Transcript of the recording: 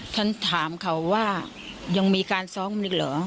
ฉันถามเขาว่ายังมีการซ้อมอีกเหรอ